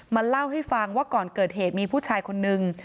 เล่าให้ฟังว่าก่อนเกิดเหตุมีผู้ชายคนนึง